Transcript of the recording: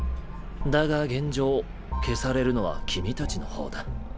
だが現状消されるのは君たちの方だ。